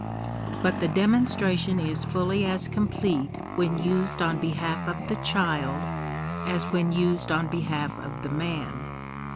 But the demonstration is fully as complete when used on behalf of the child, as when used on behalf of the man.